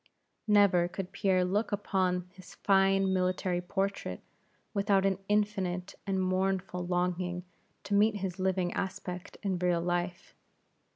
Never could Pierre look upon his fine military portrait without an infinite and mournful longing to meet his living aspect in actual life.